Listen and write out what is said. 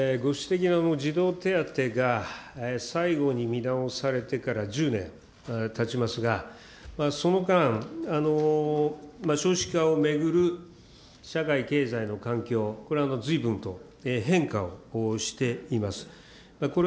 ご指摘の児童手当が最後に見直されてから１０年たちますが、その間、少子化を巡る社会、経済の環境、これ、ずいぶんと変化をしています。